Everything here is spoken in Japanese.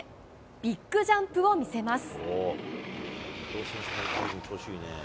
ビッグジャンプを見せます。